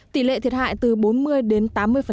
tỷ lệ thiệt hại từ bốn mươi đến tám mươi